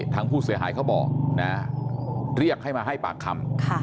ทางผู้เสียหายเขาบอกนะเรียกให้มาให้ปากคำ